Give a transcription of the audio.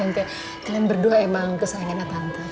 kalian berdua emang kesayangannya tante